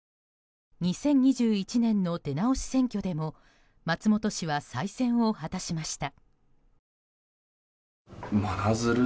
２０２１年の出直し選挙でも松本氏は再選を果たしました。